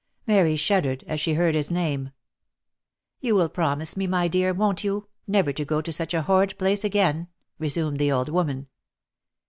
Mary shuddered, as she heard his name. " You will promise me dear, won't you, never to go to such a horrid place again," resumed the old woman.